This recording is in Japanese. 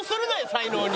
才能に！